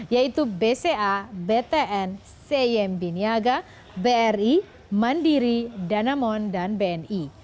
yaitu bca btn cymb niaga bri mandiri danamon dan bni